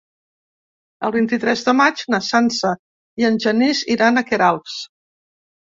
El vint-i-tres de maig na Sança i en Genís iran a Queralbs.